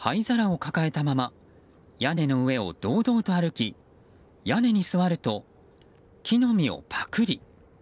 サルは、灰皿を抱えたまま屋根の上を堂々と歩き屋根に座ると木の実をぱくり。